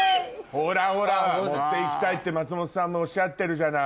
ほらほら持って行きたいって松本さんもおっしゃってるじゃない。